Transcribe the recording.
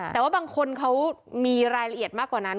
แต่บางท่านมีรายละเอียดมากกว่านั้น